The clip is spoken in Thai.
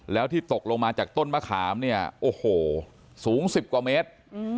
แล้วที่ตกลงมาจากต้นมะขามเนี่ยโอ้โหสูง๑๐กว่าเมตร